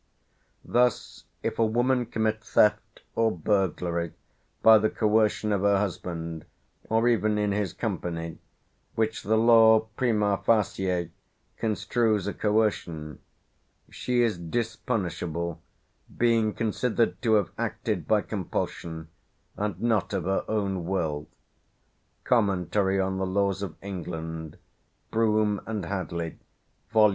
Thus, if a woman commit theft, or burglary, by the coercion of her husband, or even in his company, which the law primâ facie construes a coercion, she is dispunishable, being considered to have acted by compulsion, and not of her own will" ("Comm, on the Laws of England," Broom and Hadley, vol.